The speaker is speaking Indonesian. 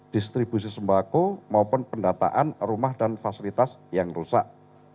distribusi sembako maupun pendataan rumah dan fasilitas yang rusak